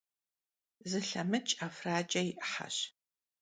Zılhemıç' 'efraç'e yi 'ıheş.